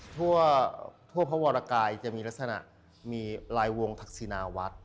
ทั่วพระวรกายจะมีลักษณะมีลายวงทักษินาวัด